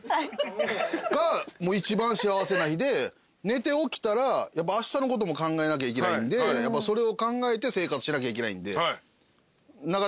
寝て起きたらあしたのことも考えなきゃいけないんでやっぱそれを考えて生活しなきゃいけないんで。